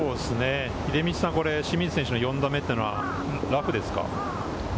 秀道さん、清水選手の４打目というのはラフですか？